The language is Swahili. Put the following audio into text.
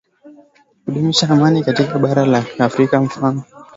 kudumisha amani katika bara la afrika mfano kama sisi tanzania